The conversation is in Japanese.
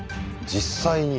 実際に。